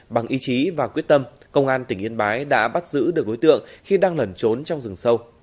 bằng ý chí và quyết tâm công an tỉnh yên bái đã bắt giữ được đối tượng khi đang lẩn trốn trong rừng sâu